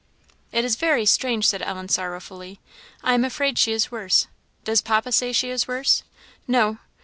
"It is very strange," said Ellen, sorrowfully; "I am afraid she is worse. Does papa say she is worse?" "No."